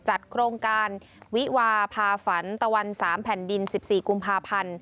จัดโครงการวิวาพาฝันตะวัน๓แผ่นดิน๑๔กุมภาพันธ์